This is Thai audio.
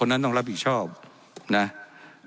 และยังเป็นประธานกรรมการอีก